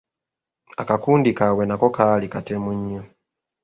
Akakundi kaabwe nako kaali katemu nnyo.